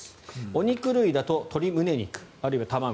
お肉類だと鶏むね肉あるいは卵。